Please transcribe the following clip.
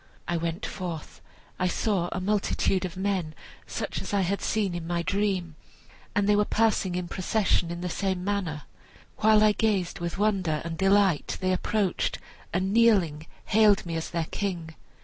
I went forth; I saw a multitude of men, such as I had seen in my dream, and they were passing in procession in the same manner. While I gazed with wonder and delight they approached and kneeling hailed me as their king.